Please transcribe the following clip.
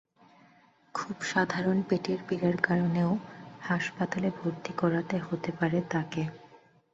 খুব সাধারণ পেটের পীড়ার কারণেও হাসপাতালে ভর্তি করাতে হতে পারে তাকে।